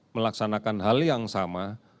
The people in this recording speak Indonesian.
melaksanakan hal yang sama